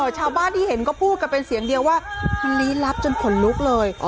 ชาวบ้านที่เห็นก็พูดกันเป็นเสียงเดียวว่ามันลี้ลับจนขนลุกเลย